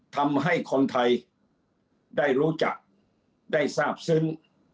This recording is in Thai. ทำให้คนไทยได้รู้จักได้ทราบซึ้ง